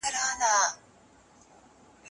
په لاس لیکل د زده کوونکو د وړتیاوو د ښودلو ځای دی.